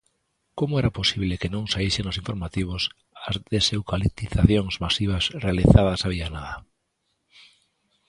Como era posible que non saísen nos informativos as deseucaliptizacións masivas realizadas había nada?